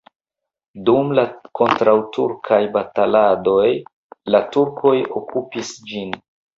Dum la kontraŭturkaj bataladoj la turkoj okupis ĝin.